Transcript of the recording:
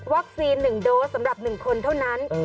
๑โดสสำหรับ๑คนเท่านั้น